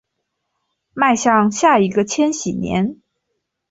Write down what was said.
迈向下一个千禧年